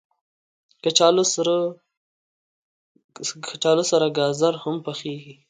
کچالو سره ګازر هم پخېږي